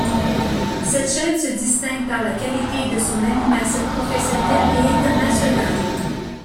Cette chaîne se distingue par la qualité de son animation professionnelle et internationale.